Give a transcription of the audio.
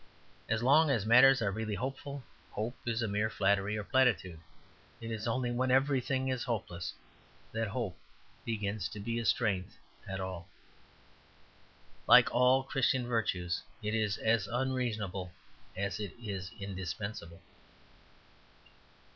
As long as matters are really hopeful, hope is a mere flattery or platitude; it is only when everything is hopeless that hope begins to be a strength at all. Like all the Christian virtues, it is as unreasonable as it is indispensable.